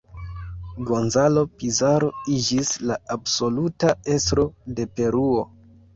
Gonzalo Pizarro iĝis la absoluta estro de Peruo.